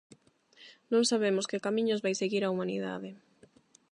Non sabemos que camiños vai seguir a Humanidade.